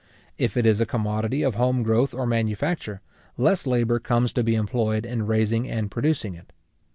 If it is a commodity of home growth or manufacture, less labour comes to be employed in raising and producing it.